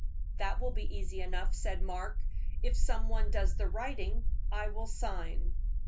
"That will be easy enough," said Mark. "If some one does the writing, I will sign."